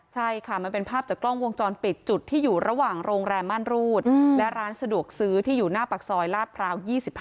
ใช่ค่ะมันเป็นภาพจากกล้องวงจรปิดจุดที่อยู่ระหว่างโรงแรมม่านรูดและร้านสะดวกซื้อที่อยู่หน้าปากซอยลาดพร้าว๒๕